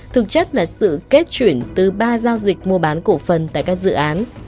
thực chất là sự kết chuyển từ ba giao dịch mua bán cổ phần tại các dự án